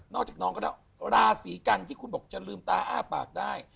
อกจากน้องก็แล้วราศีกันที่คุณบอกจะลืมตาอ้าปากได้